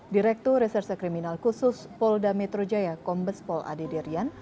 direktur reserse kriminal khusus polda metro jaya kombes pol ade diryan